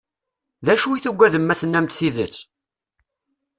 D acu i tugadem ma tennam-d tidet?